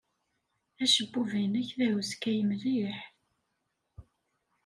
Acebbub-nnek d ahuskay mliḥ.